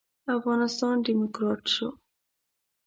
افغانستان ډيموکرات شو.